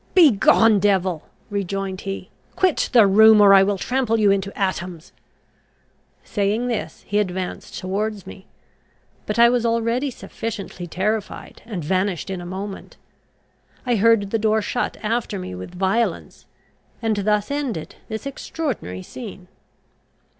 "Begone, devil!" rejoined he. "Quit the room, or I will trample you into atoms." Saying this, he advanced towards me. But I was already sufficiently terrified, and vanished in a moment. I heard the door shut after me with violence; and thus ended this extraordinary scene.